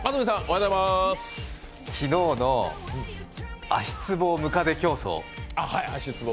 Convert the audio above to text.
昨日の足つぼムカデ競争。